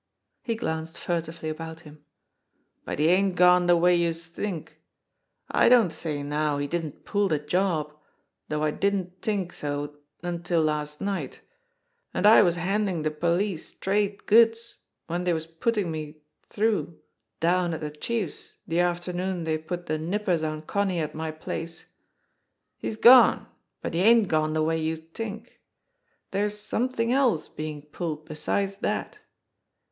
He glanced furtively about him. "But he ain't gone de way youse t'ink. I don't say now he didn't pull de job, though I didn't t'ink so until last night; an' I was handin' de police straight goods w'en dey was puttin' me through 80 JIMMIE DALE AND THE PHANTOM CLUE down at de Chief's de afternoon dey put de nippers on Con* nie at my place. He's gone but he ain't gone de way youse t'ink. Dere's somethin' else bein' pulled besides dat.